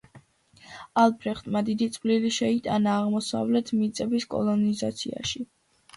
ალბრეხტმა დიდი წვლილი შეიტანა აღმოსავლეთ მიწების კოლონიზაციაში.